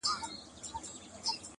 • خلک واخلي د باغلیو درمندونه -